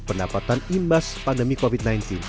pendapatan imbas pandemi covid sembilan belas